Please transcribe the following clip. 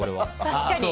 確かに。